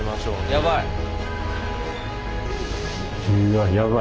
やばい。